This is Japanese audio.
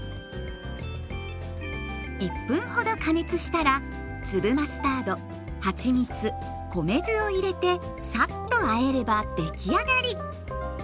１分ほど加熱したら粒マスタードはちみつ米酢を入れてさっとあえればできあがり。